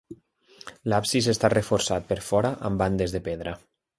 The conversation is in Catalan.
L'absis està reforçat per fora amb bandes de pedra.